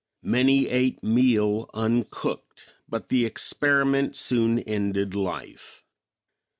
Many ate meal uncooked, but the experiment soon ended life.